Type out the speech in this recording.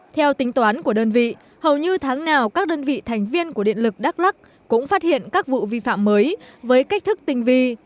theo tính toán của đơn vị hầu như tháng nào các đơn vị thành viên của điện lực đắk lắc cũng phát hiện các vụ vi phạm mới với cách thức tinh vi